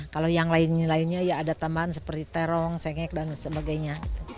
kalau yang lainnya ya ada tambahan seperti terong cengek dan sebagainya